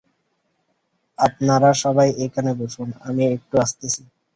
আপনারা সবাই এখানে বসুন, আমি একটু আসতেছি।